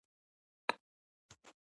که کنفرانس وي نو نظر نه ورک کیږي.